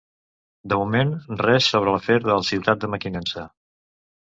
De moment, res sobre l'afer del Ciutat de Mequinensa.